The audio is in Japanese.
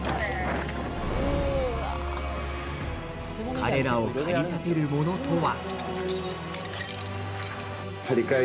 彼らを駆り立てるものとは。